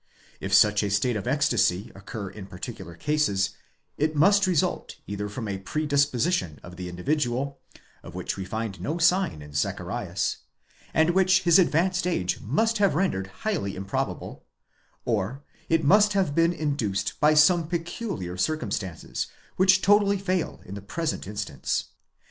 * If such a state of ecstasy occur in particular cases, it must result either from a predis position in the individual, of which we find no sign in Zacharias, and which his advanced age must have rendered highly improbable ; or it must have been induced by some peculiar circumstances, which totally fail in the pre sent instance.?